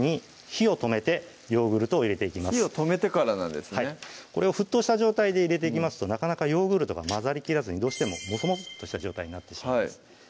火を止めてからなんですねこれを沸騰した状態で入れていきますとなかなかヨーグルトが混ざりきらずにどうしてもモフモフッとした状態になってしまいます